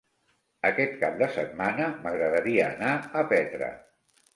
Aquest cap de setmana m'agradaria anar a Petra.